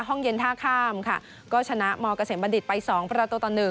ห้องเย็นท่าข้ามก็ชนะมกระเย็นบะดิสไป๒ประตูต่อ๑